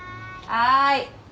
はい。